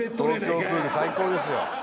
最高ですよ